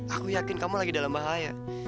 aku yakin kamu lagi dalam bahaya